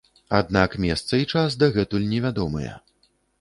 Аднак месца і час дагэтуль невядомыя.